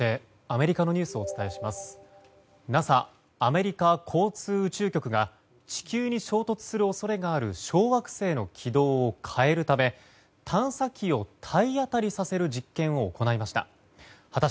ＮＡＳＡ・アメリカ航空宇宙局が地球に衝突する恐れがある小惑星の軌道を変えるため探査機を体当たりさせる実験を行いました。